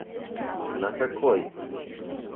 На какой?